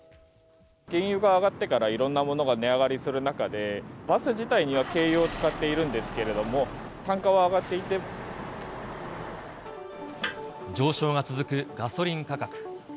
原油が上がってからいろんなものが値上がりする中で、バス自体には軽油を使っているんですけれども、上昇が続くガソリン価格。